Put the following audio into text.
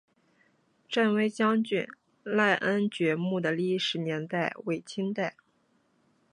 振威将军赖恩爵墓的历史年代为清代。